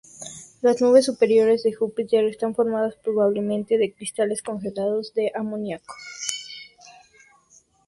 Las nubes superiores de Júpiter están formadas probablemente de cristales congelados de amoníaco.